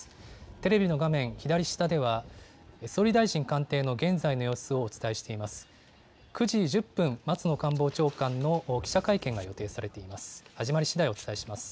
テレビの画面、左下では、総理大臣官邸の現在の様子をお伝えしています。